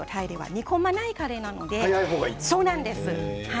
煮込まないカレーなので。